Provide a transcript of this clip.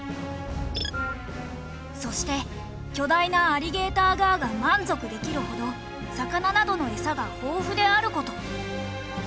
そして巨大なアリゲーターガーが満足できるほど魚などの餌が豊富である事。